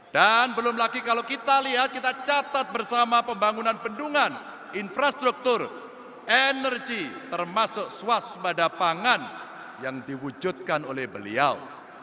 dan belum lagi kalau kita lihat kita catat bersama pembangunan pendungan infrastruktur energi termasuk swas sumbada pangan yang diwujudkan oleh beliau